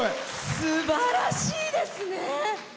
すばらしいですね！